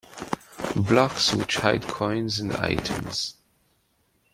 Blocks, which hide coins and items.